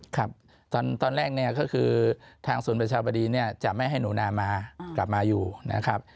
ครับตอนแรกก็คือทางศูนย์ประชาบดีจับแม่ให้หนุนามากลับมาอยู่นะครับ